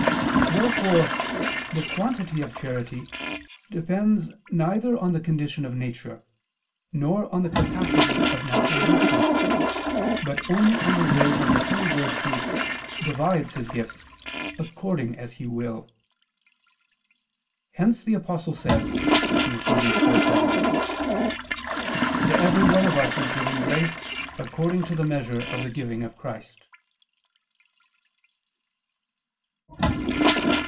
Wherefore the quantity of charity depends neither on the condition of nature nor on the capacity of natural virtue, but only on the will of the Holy Ghost Who "divides" His gifts "according as He will." Hence the Apostle says (Eph. 4:7): "To every one of us is given grace according to the measure of the giving of Christ."